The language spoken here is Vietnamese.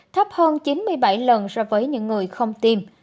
thấp hơn chín mươi bảy lần so với những người không tiêm